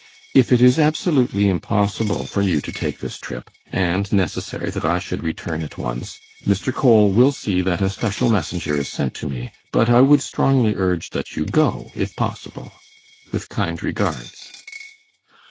If it is absolutely impossible for you to take this trip, and necessary that I should return at once, Mr. Cole will see that a special messenger is sent to me, but I would strongly urge that you go, if possible. "With kind regards."